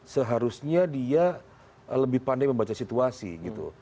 seharusnya dia lebih pandai membaca situasi gitu